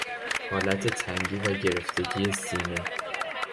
حالت تنگی و گرفتگی سینه